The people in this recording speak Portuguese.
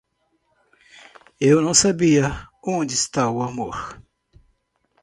Eu não sabia onde está o amor.